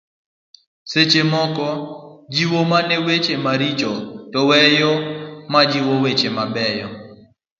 seche moko jiwo mana weche maricho to weyo majiwo weche mabeyo